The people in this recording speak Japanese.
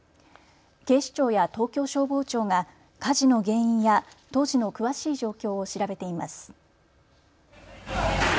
警視庁や東京消防庁が火事の原因や当時の詳しい状況を調べています。